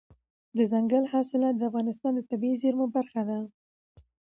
دځنګل حاصلات د افغانستان د طبیعي زیرمو برخه ده.